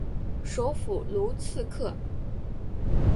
首府卢茨克。